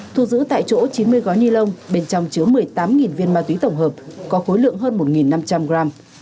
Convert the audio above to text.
thu giữ tại chỗ chín mươi gói ni lông bên trong chứa một mươi tám viên ma túy tổng hợp có khối lượng hơn một năm trăm linh gram